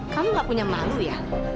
kamu gak punya malu ya